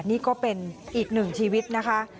นี่ก็เป็นอีกหนึ่งชีวิตนะคะ